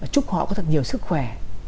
chúc họ có thật nhiều sức khỏe